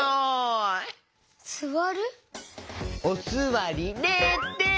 おすわり０てん。